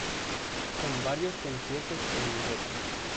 Con varios conciertos en Europa.